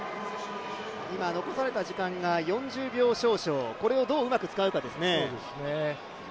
今、残された時間が４０秒少々、これをどううまく使うかですね。